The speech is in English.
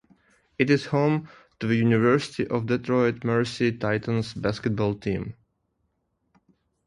It is home to the University of Detroit Mercy Titans basketball team.